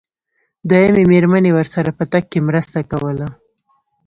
دويمې مېرمنې ورسره په تګ کې مرسته کوله.